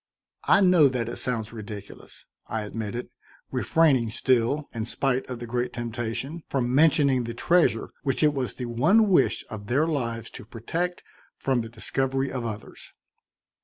"I know that it sounds ridiculous," I admitted, refraining still, in spite of the great temptation, from mentioning the treasure which it was the one wish of their lives to protect from the discovery of others.